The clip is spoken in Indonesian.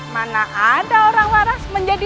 mana ada orang waras menjadi